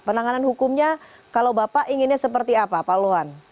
penanganan hukumnya kalau bapak inginnya seperti apa pak luhan